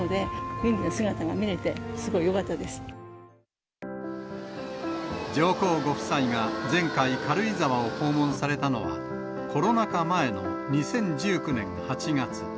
元気な姿が見れて、すごいよかっ上皇ご夫妻が前回、軽井沢を訪問されたのは、コロナ禍前の２０１９年８月。